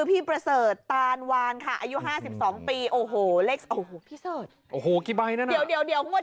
เอ้าพี่เสิร์จก่อนพี่เสิร์จค่ะพี่เสิร์จ